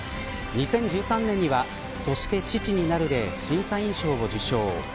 ２０１３年にはそして父になる、で審査員賞を受賞。